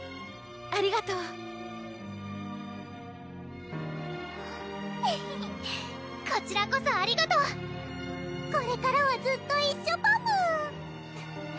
ありがとうエヘヘこちらこそありがとうこれからはずっと一緒パム！